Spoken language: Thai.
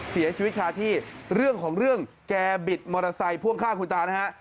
เสียชีวิตคาที่เรื่องของเรื่องแกบิดมอเตอร์ไซค์พ่วงข้างคุณตานะฮะ